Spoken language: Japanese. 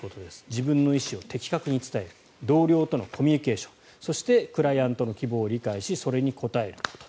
自分の意思を的確に伝える同僚とのコミュニケーションそしてクライアントの希望を理解しそれに応えること。